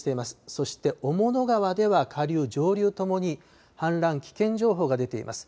そして雄物川では下流、上流ともに氾濫危険情報が出ています。